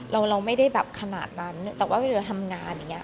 เราไม่ได้แบบขนาดนั้นแต่ว่าเวลาทำงานอย่างเงี้